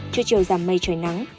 trưa chiều giảm mây trời nắng